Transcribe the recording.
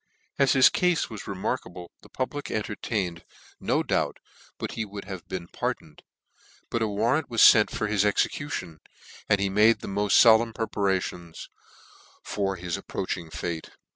As bis cafe was remarkable, the public enter X x 2 348 NEW NEWGATE CALENDAR. tained no doubt but that he would have been par doned : but a warrant was fent for his execution, and he made the moil folemn preparation for his approaching fate.